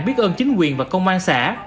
biết ơn chính quyền và công an xã